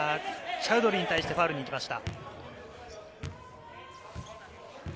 チャウドリーに対してファウルに行きました。